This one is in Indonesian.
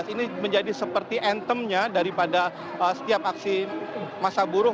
ini menjadi seperti antemnya daripada setiap aksi masa buruh